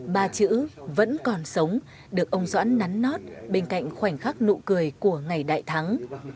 ba chữ vẫn còn sống được ông doãn nắn nót bên cạnh khoảnh khắc nụ cười của ngày đại thắng